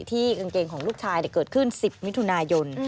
กางเกงของลูกชายเกิดขึ้น๑๐มิถุนายน